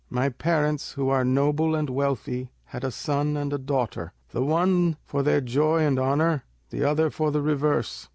My parents, who are noble and wealthy, had a son and a daughter; the one for their joy and honour, the other for the reverse.